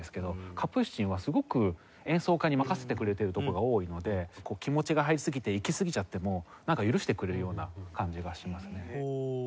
カプースチンはすごく演奏家に任せてくれてるところが多いので気持ちが入りすぎていきすぎちゃってもなんか許してくれるような感じがしますね。